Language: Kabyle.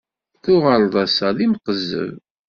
Tuɣaleḍ ass-a d imqezzeb.